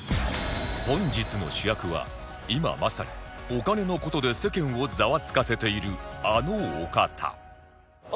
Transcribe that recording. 本日の主役は今まさにお金の事で世間をざわつかせているあのお方